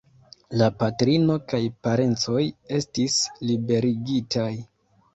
La patrino kaj parencoj estis liberigitaj.